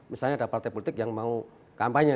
misalnya ada partai politik yang mau kampanye